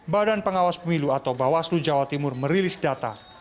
badan pengawas pemilu atau bawaslu jawa timur merilis data